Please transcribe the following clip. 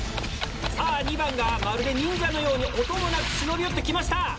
さぁ２番がまるで忍者のように音もなく忍び寄って来ました。